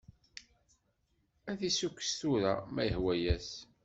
Ad t-issukkes tura, ma yehwa-as!